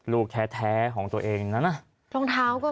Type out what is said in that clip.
ลูกแท้ของตัวเองนะนะ